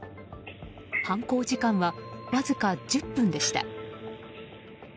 犯行時間は、わずか１０分でした。